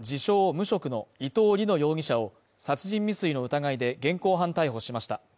無職の伊藤りの容疑者を殺人未遂の疑いで現行犯逮捕しました。